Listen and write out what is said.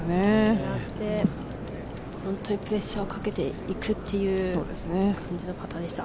狙って、本当にプレッシャーをかけていくという感じのパットでした。